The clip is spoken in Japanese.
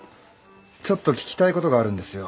ちょっと聞きたいことがあるんですよ。